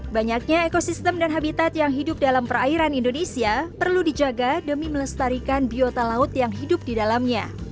banyaknya ekosistem dan habitat yang hidup dalam perairan indonesia perlu dijaga demi melestarikan biota laut yang hidup di dalamnya